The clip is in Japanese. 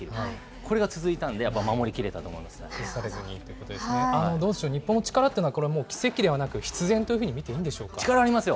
これが続いたんで、やっぱ守り切どうでしょう、日本の力というのはこれはもう奇跡ではなく、必然というふうに見ていいんでし力ありますよ。